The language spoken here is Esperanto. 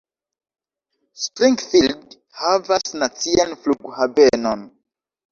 Springfield havas nacian flughavenon.